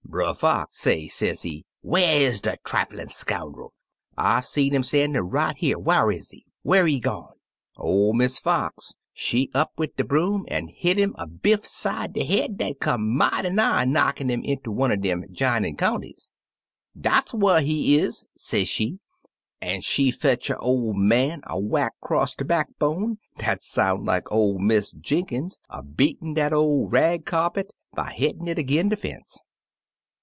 Brer Fox say, sezee, 'Whar is de triflin' scoundul? I seed 'im stan'in' right here — whar is he? Whar he gone ?* OV Miss Fox, she up wid de broom an' hit him a biff side de head dat come mighty nigh knockin' 'im inter one er de j'inin' counties. *Dat's whar he is,' se' she, an* she fetch her ol* man a whack 'cross de backbone, dat soun' like oY Miss Jenkins a beatin* dat ol* rag kyarpit by hit tin' it ag'in de fence.